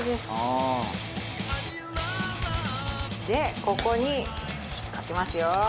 でここにかけますよ。